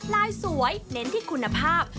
ลายสวยเน้นที่คุณภาพ